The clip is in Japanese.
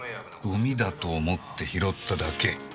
ゴミだと思って拾っただけ？